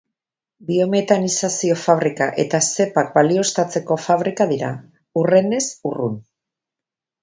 Biometanizazio-fabrika eta zepak balioztatzeko fabrika dira, hurrenez hurren.